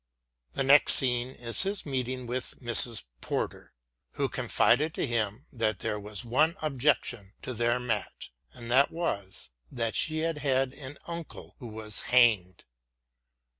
The next scene is his meeting with Mrs. Porter, who confided to him that there was one objection to their match and that was that she had had an uncle who was hanged.